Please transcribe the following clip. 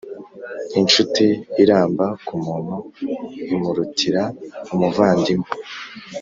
incuti iramba ku muntu, imurutira umuvandimwe